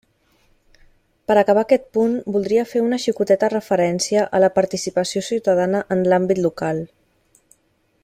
Per a acabar aquest punt, voldria fer una xicoteta referència a la participació ciutadana en l'àmbit local.